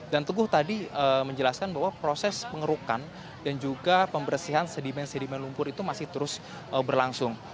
dan teguh tadi menjelaskan bahwa proses pengerukan dan juga pembersihan sedimen sedimen lumpur itu masih terus berlangsung